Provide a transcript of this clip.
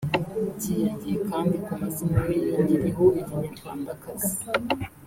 byiyongeye kandi ku mazina ye yongereyeho irinyarwandakazi